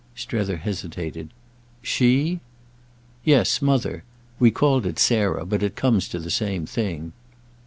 Strether hesitated. "'She'—?" "Yes—Mother. We called it Sarah, but it comes to the same thing."